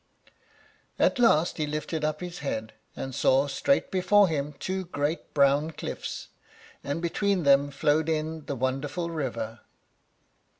At last he lifted up his head, and saw straight before him two great brown cliffs, and between them flowed in the wonderful river.